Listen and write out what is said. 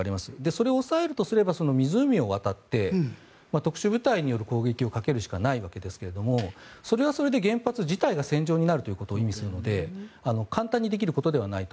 それを押さえるとすれば湖を渡って特殊部隊による攻撃をかけるしかないわけですがそれはそれで原発自体が戦場になることを意味するので簡単にできることではないと。